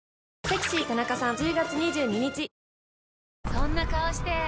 そんな顔して！